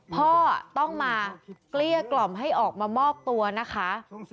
พ่อต้องมาเกลี้ยกล่อมให้ออกมามอบตัวนะคะ